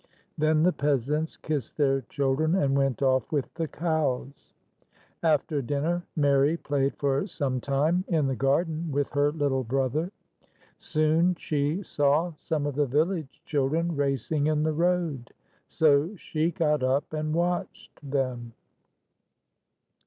Then the peasants kissed their children, and went off with the cows. After dinner, Mary played for some time in the garden with her little brother. Soon she saw some of the village children racing in the road, so she got up and watched them.